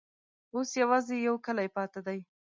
اوس یوازي یو کلی پاته دی.